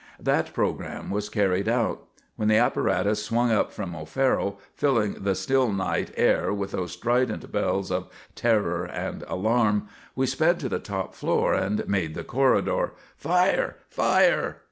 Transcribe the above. That programme was carried out. When the apparatus swung up from O'Farrell, filling the still night air with those strident bells of terror and alarm, we sped to the top floor and made the corridor. "_Fire! Fire!